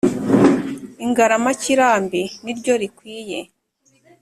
ingaramakirambi ni ryo rikwiye,